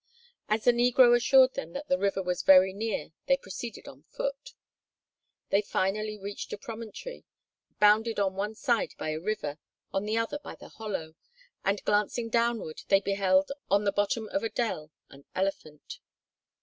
As the negro assured them that the river was very near they proceeded on foot. They finally reached a promontory, bounded on one side by a river, on the other by the hollow, and glancing downward they beheld on the bottom of a dell an elephant.